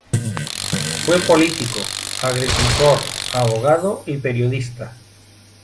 Fue político, agricultor, abogado y periodista.